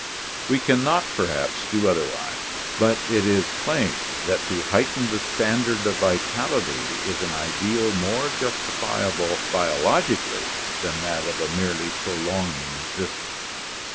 We can not, perhaps, do otherwise; but it is plain that to heighten the standard of vitality is an ideal more justifiable biologically than that of merely prolonging exist ence.